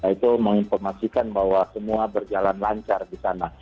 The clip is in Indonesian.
itu menginformasikan bahwa semua berjalan lancar di sana